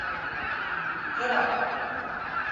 げろ